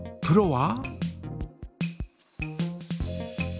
プロは？